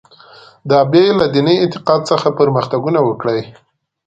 دا بې له دیني اعتقاد څخه پرمختګونه وکړي.